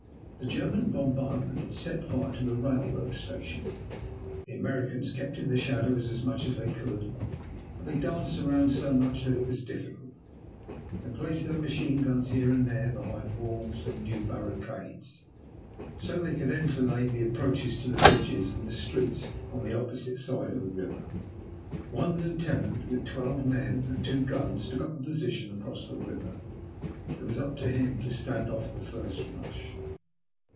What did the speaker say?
The German bombardment had set fire to the railroad station. The Americans kept in the shadows as much as they could, but they danced around so much that it was difficult. They placed their machine guns here and there behind walls and new barricades, so that they could enfilade the approaches to the bridges and the streets on the opposite side of the river. One lieutenant with twelve men and two guns took up a position across the river. It was up to him to stand off the first rush.